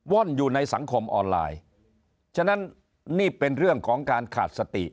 ่อนอยู่ในสังคมออนไลน์ฉะนั้นนี่เป็นเรื่องของการขาดสติ